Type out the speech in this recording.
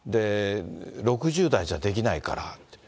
６０代じゃできないからって。